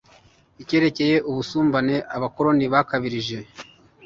cyerekeye ubusumbane abakoloni bakabirije